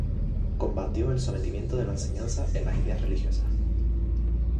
Combatió el sometimiento de la enseñanza en las ideas religiosas.